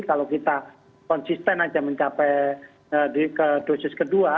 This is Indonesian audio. kalau kita konsisten saja mencapai dosis kedua